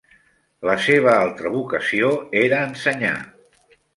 La seva altra vocació era ensenyar.